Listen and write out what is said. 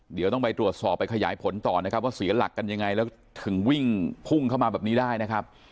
เดี๋ยวต้องไปตรวจสอบไปขยายผลต่อนะครับว่าเสียหลักกันยังไงแล้วถึงวิ่งพุ่งเข้ามาแบบนี้ได้นะครับ